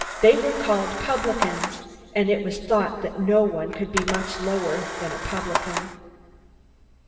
They were called "publicans," and it was thought that no one could be much lower than a publican.